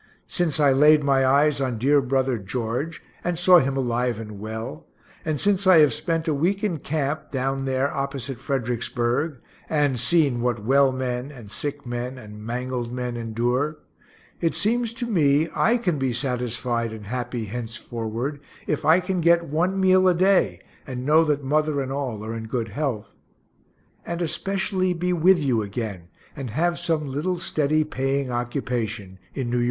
Since I laid my eyes on dear brother George, and saw him alive and well and since I have spent a week in camp, down there opposite Fredericksburg, and seen what well men, and sick men, and mangled men endure it seems to me I can be satisfied and happy henceforward if I can get one meal a day, and know that mother and all are in good health, and especially be with you again, and have some little steady paying occupation in N. Y.